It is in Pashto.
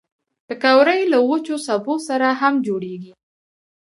پکورې له وچو سبو سره هم جوړېږي